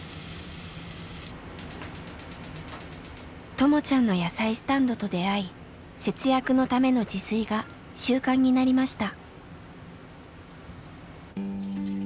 ともちゃんの野菜スタンドと出会い節約のための自炊が習慣になりました。